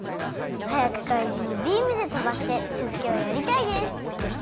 はやくかいじんをビームでとばしてつづきをやりたいです。